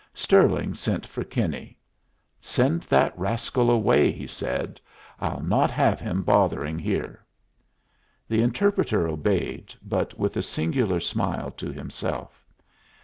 Stirling sent for Kinney. "Send that rascal away," he said. "I'll not have him bothering here." The interpreter obeyed, but with a singular smile to himself.